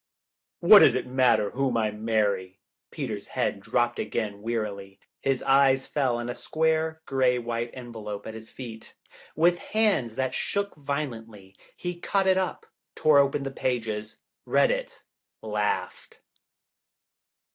"What does it matter whom I marry?" Peter's head dropped again, wearily. His eyes fell on a square, gray white envelope at his feet. With hands that shook violently he caught it up, tore open the pages. Read it, laughed.